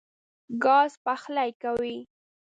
ګاز پخلی کوي.